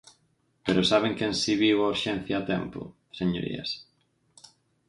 ¿Pero saben quen si viu a urxencia a tempo, señorías?